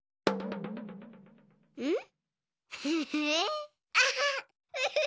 うん？